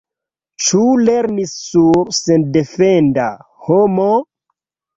Ĉu lernis sur sendefenda homo?